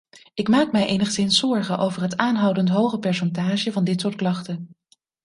Ik maak mij enigszins zorgen over het aanhoudend hoge percentage van dit soort klachten.